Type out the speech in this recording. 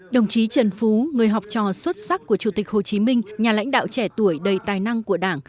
đồng chí trần phú người học trò xuất sắc của chủ tịch hồ chí minh nhà lãnh đạo trẻ tuổi đầy tài năng của đảng